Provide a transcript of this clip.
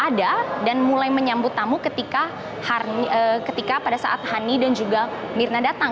ada dan mulai menyambut tamu ketika pada saat hani dan juga mirna datang